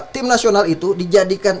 tim nasional itu dijadikan